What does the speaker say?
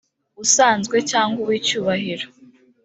usanzwe cyangwa uw icyubahiro